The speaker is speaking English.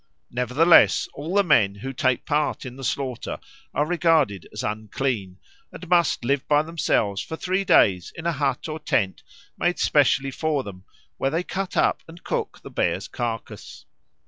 Nevertheless, all the men who take part in the slaughter are regarded as unclean, and must live by themselves for three days in a hut or tent made specially for them, where they cut up and cook the bear's carcase.